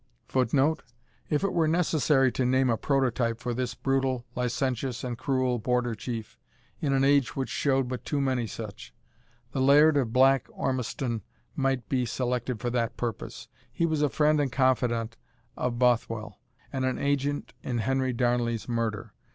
[Footnote: If it were necessary to name a prototype for this brutal, licentious and cruel Border chief, in an age which showed but too many such, the Laird of Black Ormiston might be selected for that purpose. He was a friend and confidant of Bothwell, and an agent in Henry Darnley's murder.